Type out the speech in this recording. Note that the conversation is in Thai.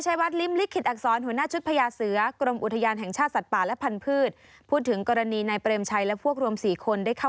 อีกแล้วเหรอไม่มีการไหว้กันแล้วนะ